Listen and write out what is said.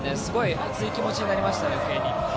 熱い気持ちになりました。